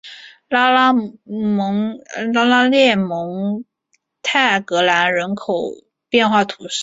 拉拉涅蒙泰格兰人口变化图示